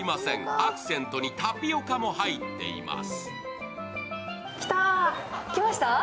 アクセントにタピオカも入っています。